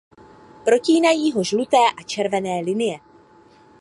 Protínají ho žluté a červené linie.